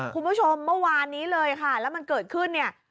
คุณผู้ชมเมื่อวานนี้เลยค่ะแล้วมันเกิดขึ้นเนี่ย